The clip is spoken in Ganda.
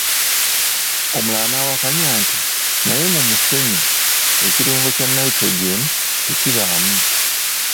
Omulala n’awakanya nti, “Naye mu musenyu ekirungo kya ''nitrogen'' tekibaamu.”